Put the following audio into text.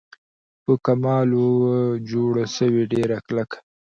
په کمال وه جوړه سوې ډېره کلکه